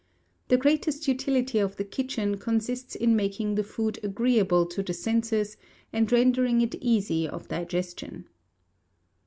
The greatest utility of the kitchen consists in making the food agreeable to the senses, and rendering it easy of digestion."